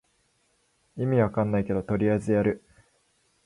意味わかんないけどとりあえずやる